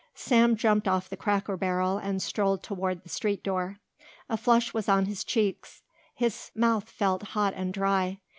Sam jumped off the cracker barrel and strolled toward the street door. A flush was on his cheeks. His mouth felt hot and dry.